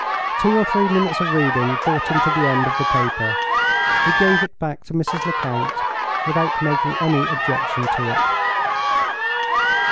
Two or three minutes of reading brought him to the end of the paper. He gave it back to Mrs. Lecount without making any objection to it.